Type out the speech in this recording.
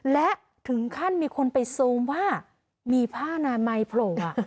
และถึงขั้นมีคนไปซูมว่ามีผ้านามัยโผล่